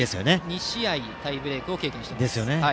２試合タイブレークを経験してます。